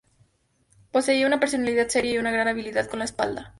Poseía una personalidad seria y una gran habilidad con la espada.